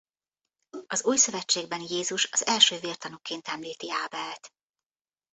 Az Újszövetségben Jézus az első vértanúként említi Ábelt.